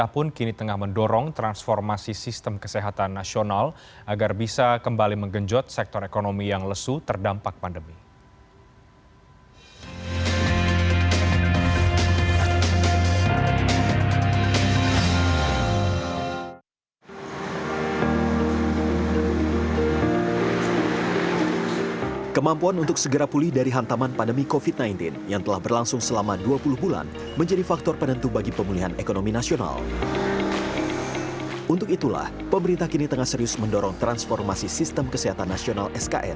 pemerintah pun kini tengah mendorong transformasi sistem kesehatan nasional